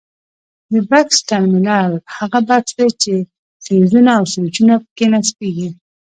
د بکس ټرمینل هغه بکس دی چې فیوزونه او سویچونه پکې نصبیږي.